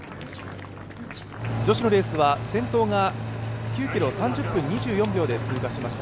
女子のレースは先頭が９ｋｍを３０分２４秒で通過しました。